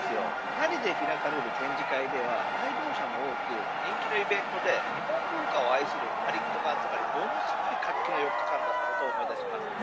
パリで開かれる展示会では来場者も多く人気のイベントで日本文化を愛するパリっ子が集まりものすごい活気の４日間だったことを思い出します。